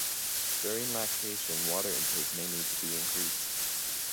During lactation, water intake may need to be increased.